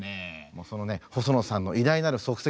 もうその細野さんの偉大なる足跡をね